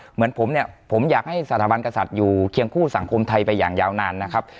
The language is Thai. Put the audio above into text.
เหมือนผมเนี่ยผมอยากให้สถาบันกษัตริย์อยู่เคียงคู่สังคมไทยไปอย่างยาวนานนะครับ